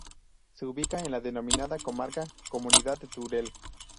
Se ubica en la denominada comarca Comunidad de Teruel.